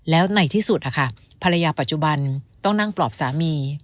แล้วในที่สุดภรรยาปัจจุบันต้องนั่งปลอบสามี